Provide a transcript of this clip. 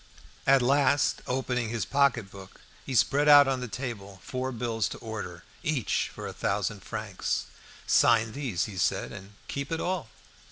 At last, opening his pocket book, he spread out on the table four bills to order, each for a thousand francs. "Sign these," he said, "and keep it all!"